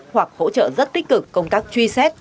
hoặc hỗ trợ rất tích cực công tác truy xét